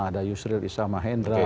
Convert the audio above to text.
ada yusril isamahendra